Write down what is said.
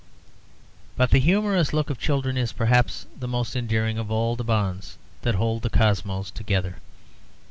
But the humorous look of children is perhaps the most endearing of all the bonds that hold the Cosmos together.